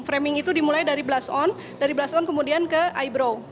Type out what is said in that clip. framing itu dimulai dari blast on dari blast on kemudian ke eyebrow